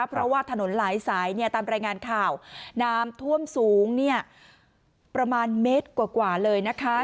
เพราะว่าถนนหลายสายเนี่ยตามรายงานข่าวน้ำท่วมสูงประมาณเมตรกว่าเลยนะคะ